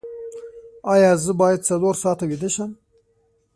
ایا زه باید څلور ساعته ویده شم؟